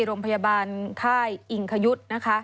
โรงพยาบาลค่ายอิงขยุด